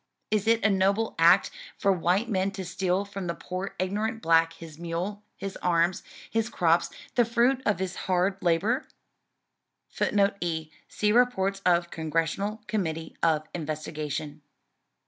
Is it a noble act for white men to steal from the poor ignorant black his mule, his arms, his crops, the fruit of his hard labor?" [Footnote E: See Reports of Congressional Committee of Investigation.